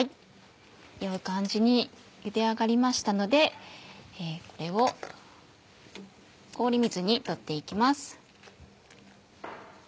良い感じにゆで上がりましたのでこれを氷水に取って行きます。